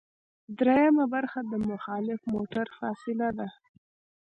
دریمه برخه د مخالف موټر فاصله ده